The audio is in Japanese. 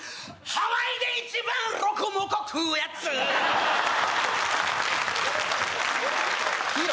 ハワイで一番ロコモコ食うやつ着ろ